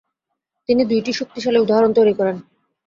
তিনি দুইটি শক্তিশালী উদাহরণ তৈরি করেন।